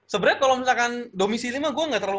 sebenernya kalau misalkan domisi lima gue gak terlalu